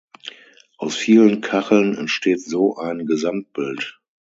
Aus vielen Kacheln entsteht so ein Gesamtbild.